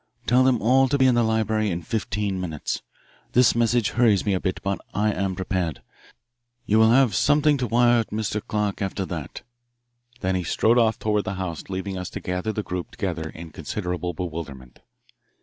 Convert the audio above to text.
"Tell them all to be in the library in fifteen minutes. This message hurries me a bit, but I am prepared. You will have something to wire Mr. Clark after that." Then he strode off toward the house, leaving us to gather the group together in considerable bewilderment.